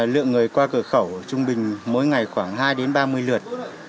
lượng người qua cửa khẩu trung bình mỗi ngày khoảng hai ba mươi lượt